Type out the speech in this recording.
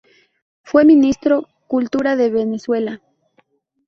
Fue ministro cultura de Venezuela.